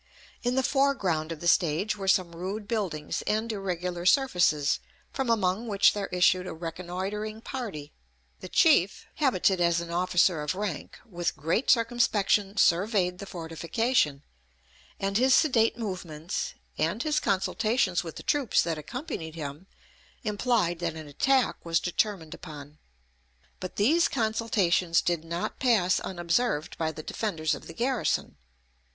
In the foreground of the stage were some rude buildings and irregular surfaces, from among which there issued a reconnoitring party; the chief, habited as an officer of rank, with great circumspection surveyed the fortification; and his sedate movements, and his consultations with the troops that accompanied him, implied that an attack was determined upon. But these consultations did not pass unobserved by the defenders of the garrison.